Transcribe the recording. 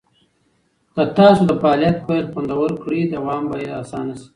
که تاسو د فعالیت پیل خوندور کړئ، دوام به یې اسانه شي.